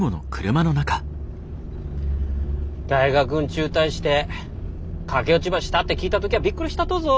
大学ん中退して駆け落ちばしたって聞いた時やびっくりしたとぞ。